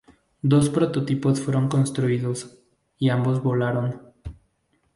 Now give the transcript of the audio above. Dos prototipos fueron construidos, y ambos volaron.